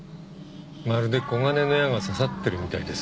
まるで金の矢が刺さってるみたいです。